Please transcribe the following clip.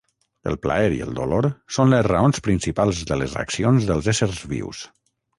El plaer i el dolor són les raons principals de les accions dels éssers vius.